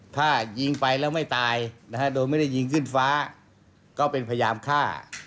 ถ้ายิงไปแล้วไม่ตายโดยไม่ได้ยิงขึ้นฟ้าก็เป็นพยายามฆ่า